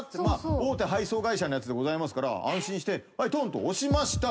大手配送会社のやつですから安心してとんと押しました。